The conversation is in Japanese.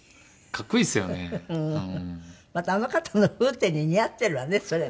またあの方の風体に似合ってるわねそれね。